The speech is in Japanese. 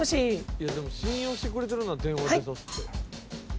「いやでも信用してくれてるな電話出さすって」